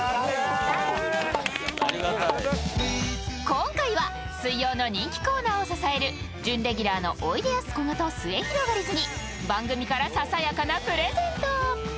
今回は水曜の人気コーナーを支えるおいでやすこがとすゑひろがりずに番組からささやかなプレゼント。